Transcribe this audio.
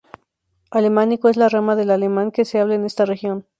Alemánico es la rama del alemán que se habla en esta región.